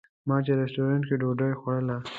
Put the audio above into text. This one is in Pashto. ما چې رسټورانټ کې ډوډۍ خوړله.